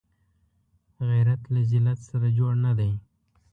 غیرت له ذلت سره جوړ نه دی